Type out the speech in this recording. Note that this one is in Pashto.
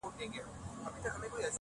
د ژوند يې يو قدم سو، شپه خوره سوه خدايه.